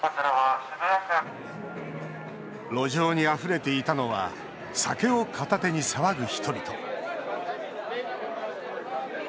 路上にあふれていたのは酒を片手に騒ぐ人々。